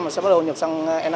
sẽ bắt đầu nhập xăng e năm